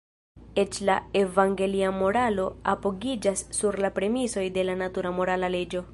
Eĉ la evangelia moralo apogiĝas sur la premisoj de la natura morala leĝo.